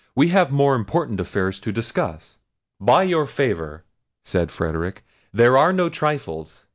we have more important affairs to discuss." "By your favour," said Frederic, "these are no trifles.